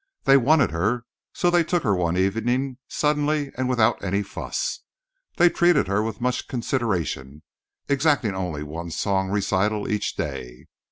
They wanted her, so they took her one evening suddenly and without any fuss. They treated her with much consideration, exacting only one song recital each day.